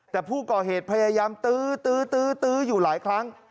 แต่ผู้ก่อเหตุพยายามตื้ออยู่หลายครั้ง